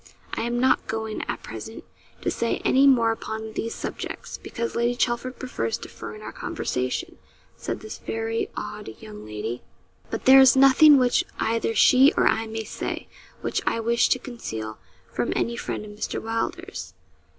'I am not going, at present, to say any more upon these subjects, because Lady Chelford prefers deferring our conversation,' said this very odd young lady; 'but there is nothing which either she or I may say, which I wish to conceal from any friend of Mr. Wylder's.'